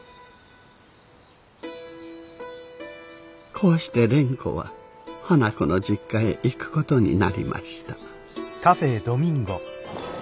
こうして蓮子は花子の実家へ行く事になりました。